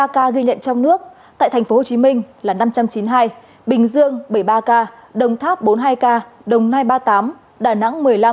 ba ca ghi nhận trong nước tại tp hcm là năm trăm chín mươi hai bình dương bảy mươi ba ca đồng tháp bốn mươi hai ca đồng nai ba mươi tám đà nẵng một mươi năm